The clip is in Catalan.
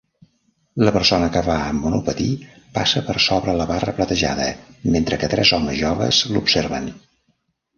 La persona que va amb monopatí passa per sobre la barra platejada mentre que tres homes joves l'observen.